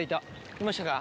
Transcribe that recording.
いましたか。